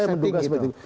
saya menduga seperti itu